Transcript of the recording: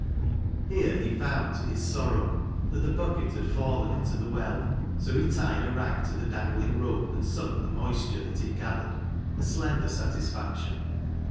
Here he found to his sorrow that the bucket had fallen into the well, so he tied a rag to the dangling rope and sucked the moisture that it gathered a slender satisfaction.